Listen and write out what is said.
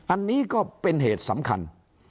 อันนี้ก็เป็นเหตุสำคัญ